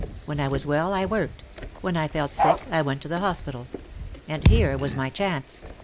When I was well I worked; when I felt sick I went to the hospital. And here was my chance.